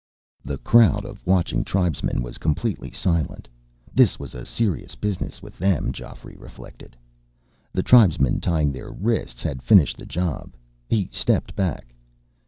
The crowd of watching tribesmen was completely silent. This was a serious business with them, Geoffrey reflected. The tribesman tying their wrists had finished the job. He stepped back.